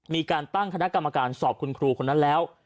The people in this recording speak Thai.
มีการตั้งคณะกรรมการสอบคุณครูคนนั้นแล้ว